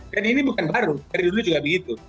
dan ini bukan baru dari dulu juga begitu